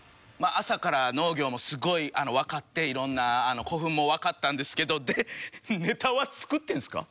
朝から農業もすごいわかって色んな古墳もわかったんですけどでネタは作ってんすか？